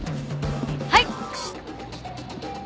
はい！